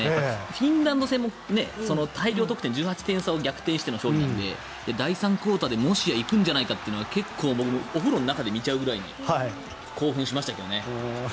フィンランド戦も大量得点１８点差を逆転しての勝利なので第３クオーターでもしや行くんじゃないかと結構、僕お風呂の中で見ちゃうぐらいに興奮しましたけどね。